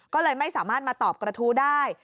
ก็เลยไม่สามารถมาตอบกระทู้ได้